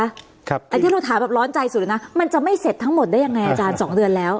แต่ที่เราถามแบบร้อนใจสุดเลยนะมันจะไม่เสร็จทั้งหมดได้ยังไงอาจารย์สองเดือนแล้ว